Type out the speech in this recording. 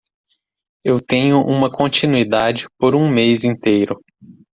Eu tenho uma continuidade por um mês inteiro.